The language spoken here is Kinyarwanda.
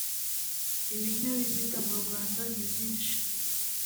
ibinyabiziga mu rwanda ni byinshi